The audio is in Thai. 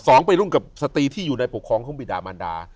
ไปรุ่งกับสตรีที่อยู่ในปกครองของบิดามันดา